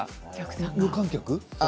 無観客？